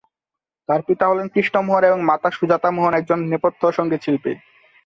তাঁর পিতা হলেন কৃষ্ণ মোহন, এবং মাতা সুজাতা মোহন একজন নেপথ্য সঙ্গীতশিল্পী।